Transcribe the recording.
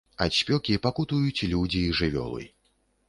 Ад спёкі пакутуюць людзі і жывёлы.